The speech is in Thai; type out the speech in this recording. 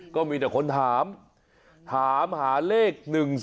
ก็มีแต่คนถามถามหาเลข๑๒